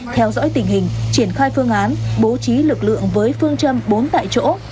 theo dõi tình hình triển khai phương án bố trí lực lượng với phương châm bốn tại chỗ